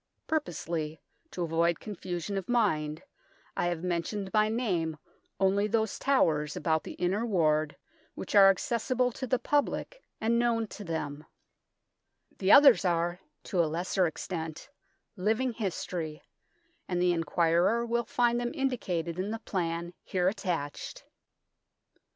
Purposely, to avoid confusion of mind, I have mentioned by name only those towers about the Inner Ward which are accessible to the public and known to them, 24 THE TOWER OF LONDON The others are to a lesser extent living history, and the inquirer will find them indicated in the plan here attached.